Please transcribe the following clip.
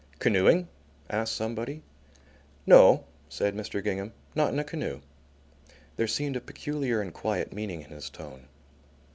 "Canoeing?" asked somebody. "No," said Mr. Gingham, "not in a canoe." There seemed a peculiar and quiet meaning in his tone.